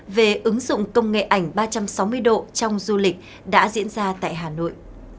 về ứng dụng công nghệ ảnh ba trăm sáu mươi độ trong du lịch đã diễn ra tại hà nội